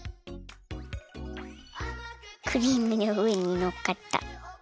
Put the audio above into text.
クリームのうえにのっかった。